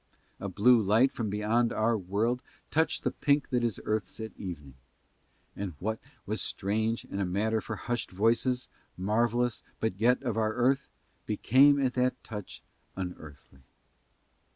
A blue light from beyond our world touched the pink that is Earth's at evening: and what was strange and a matter for hushed voices, marvellous but yet of our earth, became at that touch unearthly.